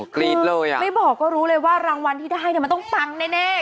คือไม่บอกก็ด้วยเลยว่ารางวัลที่ได้เนี่ยมันต้องปั๊งแน่